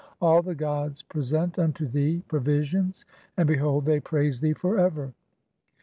All the gods present unto thee pro visions, and behold, (9) they praise thee for ever.